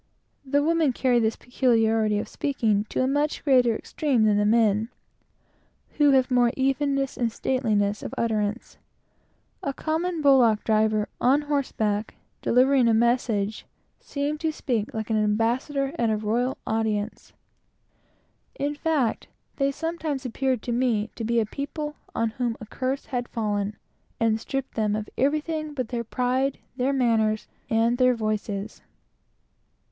The women carry this peculiarity of speaking to a much greater extreme than the men, who have more evenness and stateliness of utterance. A common bullock driver, on horseback, delivering a message, seemed to speak like an ambassador at an audience. In fact, they sometimes appeared to me to be a people on whom a curse had fallen, and stripped them of everything but their pride, their manners, and their voices.